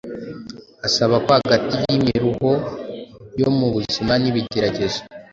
asaba ko hagati y’imiruho yo mu buzima n’ibigeragezo,